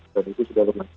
dan itu sudah lengkap